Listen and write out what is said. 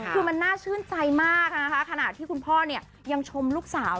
คือมันน่าชื่นใจมากนะคะขณะที่คุณพ่อเนี่ยยังชมลูกสาว